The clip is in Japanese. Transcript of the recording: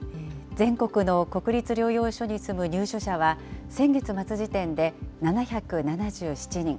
全国の国立療養所に住む入所者は、先月末時点で７７７人。